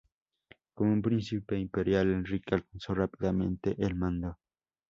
Como un Príncipe imperial, Enrique alcanzó rápidamente el mando.